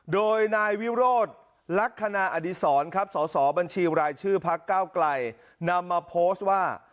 โดยนายวิโรธลักษณะอดีศรครับสสบัญชีรายชื่อพักเก้าไกลนำมาโพสต์ว่า